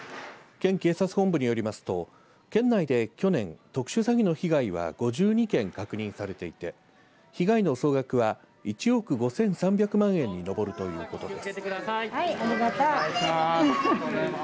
県警察本部によりますと県内で去年特殊詐欺の被害は５２件確認されていて被害の総額は１億５３００万円に上るということです。